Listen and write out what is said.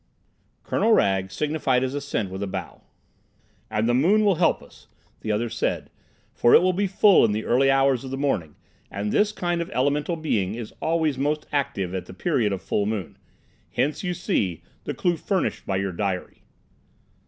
Colonel Wragge signified his assent with a bow. "And the moon will help us," the other said, "for it will be full in the early hours of the morning, and this kind of elemental being is always most active at the period of full moon. Hence, you see, the clue furnished by your diary."